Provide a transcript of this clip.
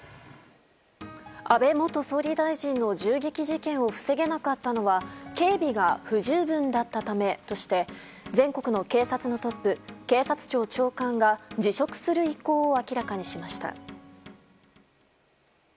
安倍元総理大臣の銃撃事件を防げなかったのは警備が不十分だったためとして全国の警察のトップ警察庁長官が辞職する意向を明らかにしました。